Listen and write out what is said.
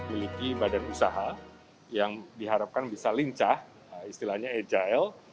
meliki badan usaha yang diharapkan bisa lincah istilahnya agile